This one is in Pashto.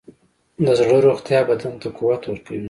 د زړه روغتیا بدن ته قوت ورکوي.